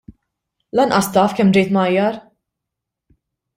Lanqas taf kemm ġejt mgħajjar!